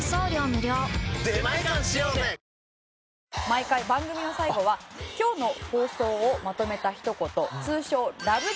毎回番組の最後は今日の放送をまとめたひと言通称ラブ！！